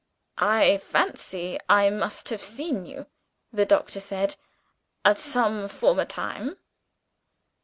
"I fancy I must have seen you," the doctor said, "at some former time."